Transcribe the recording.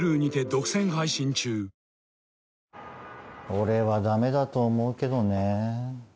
俺はダメだと思うけどね。